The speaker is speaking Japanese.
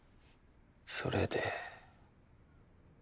それで。